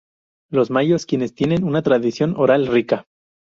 Los mayos quienes tienen una tradición oral rica.